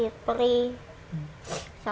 sakit perih sama